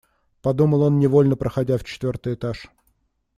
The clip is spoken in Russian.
Подумал он невольно, проходя в четвертый этаж.